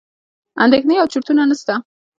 اندېښنې او چورتونه نسته.